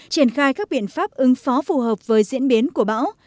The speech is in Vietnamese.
triển khai các biện pháp ứng phó phù hợp với diễn biến của bão